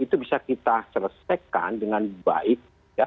itu bisa kita selesaikan dengan baik